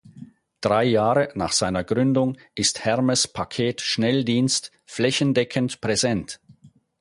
Drei Jahre nach seiner Gründung ist „Hermes Paket-Schnell-Dienst“ flächendeckend präsent.